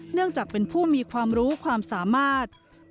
เนื่องจากเป็นผู้มีความรู้ความสามารถ